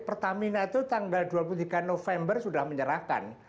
pertamina itu tanggal dua puluh tiga november sudah menyerahkan